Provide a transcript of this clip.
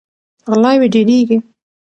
غلاوې ډیریږي.